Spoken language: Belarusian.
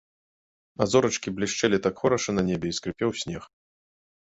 А зорачкі блішчэлі так хораша на небе, і скрыпеў снег.